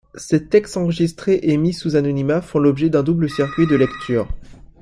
Ces textes enregistrés et mis sous anonymat font l’objet d’un double circuit de lecture.